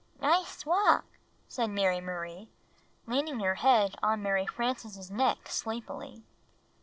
"Nice walk," said IMary Marie, leaning her head on Mary Frances' neck sleepily.